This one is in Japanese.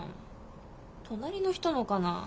隣の人のかな？